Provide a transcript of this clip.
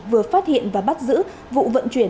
vừa phát hiện và bắt giữ vụ vận chuyển